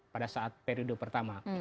pada saat periode pertama